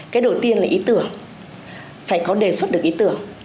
cái đầu tiên là ý tưởng phải có đề xuất được ý tưởng